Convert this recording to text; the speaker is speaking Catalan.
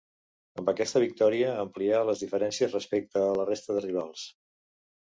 Amb aquesta victòria amplià les diferències respecte a la resta de rivals.